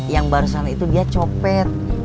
yang barusan itu dia copet